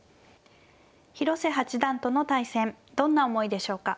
広瀬八段との対戦どんな思いでしょうか。